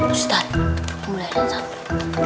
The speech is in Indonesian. ustaz mulia ada satu